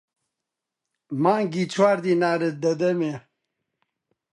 مانگی چوار دینارت دەدەمێ.